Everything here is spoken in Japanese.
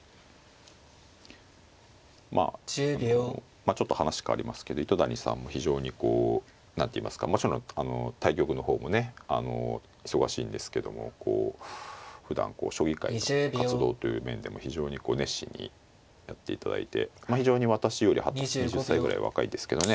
まあちょっと話変わりますけど糸谷さんも非常にこう何ていいますかもちろん対局の方もね忙しいんですけどもこうふだん将棋界の活動という面でも非常に熱心にやっていただいて私より２０歳ぐらい若いですけどね